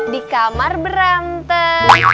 di kamar berantem